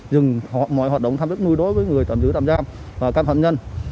dừng mọi hoạt động thăm tiếp nuôi đối với người tạm giữ tạm giam và căn phạm nhân